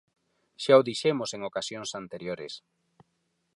Xa o dixemos en ocasións anteriores.